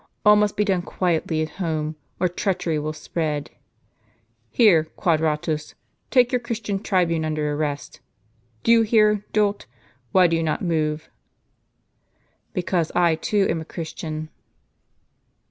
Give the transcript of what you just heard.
All must be done quietly at home, or treachery will spread. Here, Quadratus, take your Christian tribune under arrest. Do you hear, dolt? Why do you not move?" " Because I too am a Christian